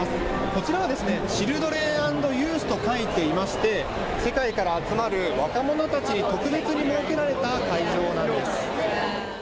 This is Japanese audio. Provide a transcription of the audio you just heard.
こちらはＣＨＩＬＤＲＥＮａｎｄＹＯＵＴＨと書いていまして世界から集まる若者たちに特別に設けられた会場なんです。